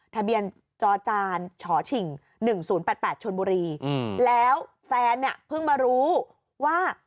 ทะเบียนจอจานฉิง๑๐๘๘ชนบุรีแล้วแฟนเนี่ยเพิ่งมารู้ว่า